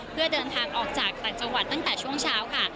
เพื่อเดินทางออกจากต่างจังหวัดตั้งแต่ช่วงเช้าค่ะ